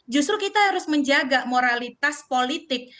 justru kita harus menjaga moralitas politik